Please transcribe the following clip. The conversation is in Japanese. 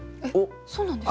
そうなんですか？